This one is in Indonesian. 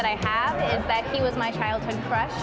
kamu tidak salah bukan